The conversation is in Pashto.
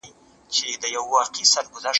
که ښوونه او روزنه عصري سي هیواد به جوړ سي.